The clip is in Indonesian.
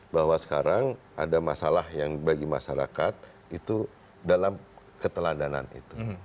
bahwa sekarang ada masalah yang bagi masyarakat itu dalam keteladanan itu